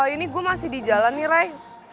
ini gue masih di jalan nih ray